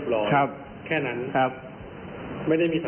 กลัวเพราะว่าทำเอกสารรถไม่เรียบร้อย